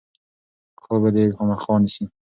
خوب به دی خامخا نیسي.